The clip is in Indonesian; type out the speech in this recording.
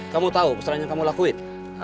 kamu tahu kesalahan yang kamu lakuin